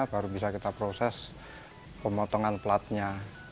baru bisa kita proses pemotongan platnya